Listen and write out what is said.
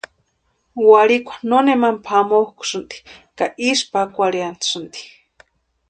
Warhikwa nonemani pʼamokʼusïnti ka isï pákwarhiantasïnti.